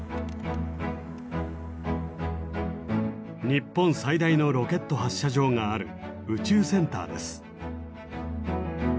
日本最大のロケット発射場がある宇宙センターです。